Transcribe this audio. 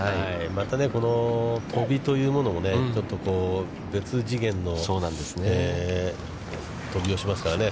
またこの飛びというものも、ちょっとこう別次元の飛びをしますからね。